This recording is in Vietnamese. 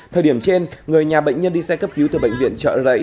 thời điểm trên người nhà bệnh nhân đi xe cấp cứu từ bệnh viện trợ rẫy